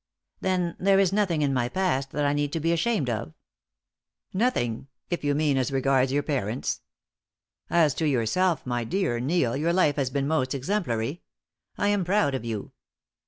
"Then there is nothing in my past that I need to be ashamed of?" "Nothing," if you mean as regards your parents. "As to yourself, my dear Neil, your life has been most exemplary. I am proud of you."